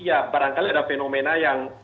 ya barangkali ada fenomena yang